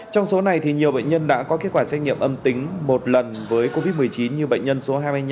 trong số này nhiều bệnh nhân đã có kết quả xét nghiệm âm tính một lần với covid một mươi chín như bệnh nhân số hai mươi năm